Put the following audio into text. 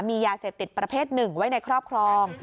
มียาเสพติดประเภทหนึ่งไว้ในครอบครอง